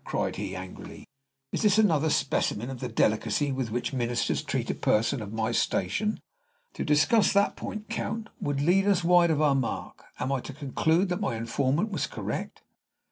cried he, angrily. "Is this another specimen of the delicacy with which ministers treat a person of my station?" "To discuss that point, Count, would lead us wide of our mark. Am I to conclude that my informant was correct?"